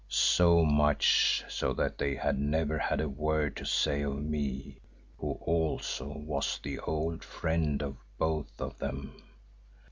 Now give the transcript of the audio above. So much so that they had never had a word to say of me who also was the old friend of both of them.